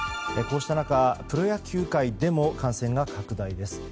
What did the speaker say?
こうした中、プロ野球界でも感染が拡大です。